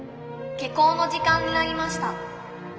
「下校の時間になりました。